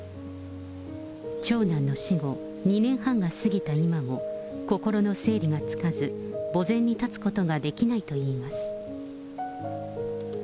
長男の死後２年半が過ぎた今も、心の整理がつかず、墓前に立つことができないといいます。